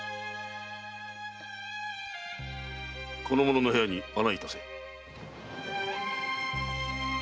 この者の部屋に案内いたせ。